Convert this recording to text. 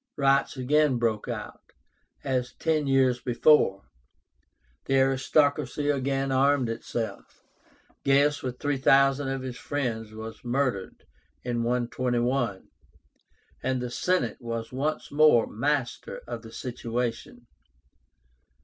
Riots again broke out, as ten years before. The aristocracy again armed itself. Gaius with 3,000 of his friends was murdered in 121, and the Senate was once more master of the situation.